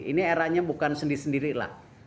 ini eranya bukan sendiri sendiri lah